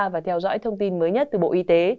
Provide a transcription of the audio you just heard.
và theo dõi thông tin mới nhất từ bộ y tế